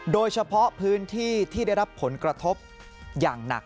โดยเฉพาะพื้นที่ที่ได้รับผลกระทบอย่างหนัก